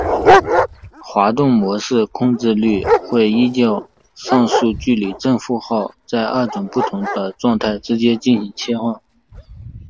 滑动模式控制律会依照上述距离的正负号在二种不同的状态之间进行切换。